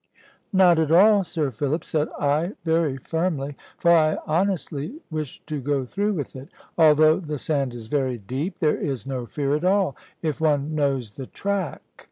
"Not at all, Sir Philip," said I, very firmly, for I honestly wished to go through with it; "although the sand is very deep, there is no fear at all, if one knows the track.